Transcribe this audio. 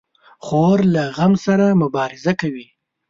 خور له غم سره مبارزه کوي.